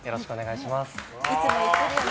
いつも言ってるよね。